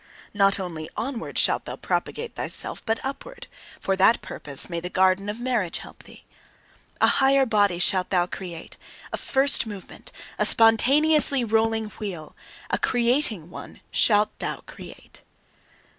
Not only onward shalt thou propagate thyself, but upward! For that purpose may the garden of marriage help thee! A higher body shalt thou create, a first movement, a spontaneously rolling wheel a creating one shalt thou create.